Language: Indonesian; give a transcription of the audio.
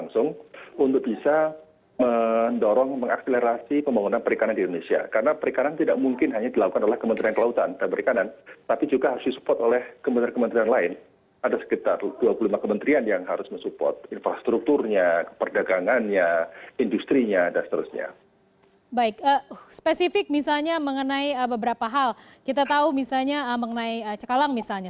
spesifik misalnya mengenai beberapa hal kita tahu misalnya mengenai cekalang misalnya